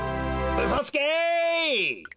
うそつけ！